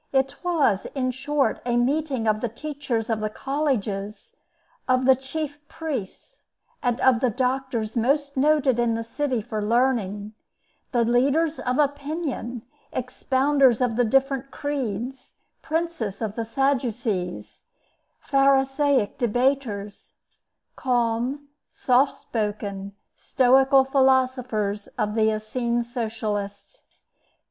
It was, in short, a meeting of the teachers of the colleges, of the chief priests, and of the doctors most noted in the city for learning—the leaders of opinion, expounders of the different creeds; princes of the Sadducees; Pharisaic debaters; calm, soft spoken, stoical philosophers of the Essene socialists.